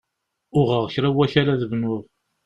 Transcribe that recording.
Uɣeɣ kra wakal ad bnuɣ.